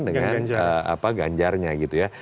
dengan ganjarnya gitu ya